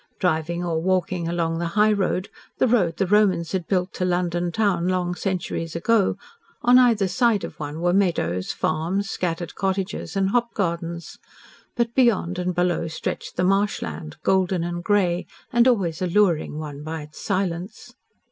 Driving or walking along the high road the road the Romans had built to London town long centuries ago on either side of one were meadows, farms, scattered cottages, and hop gardens, but beyond and below stretched the marsh land, golden and grey, and always alluring one by its silence.